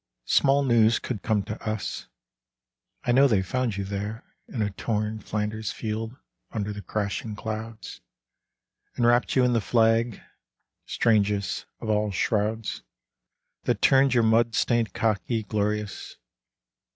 Small news could come to us. I know they found you there In a torn Flanders field Under the crashing clouds, And wrapped you in the flag, Strangest of all shrouds, That turned your mud stained khaki glorious.